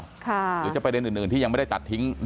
หรือจะประเด็นอื่นที่ยังไม่ได้ตัดทิ้ง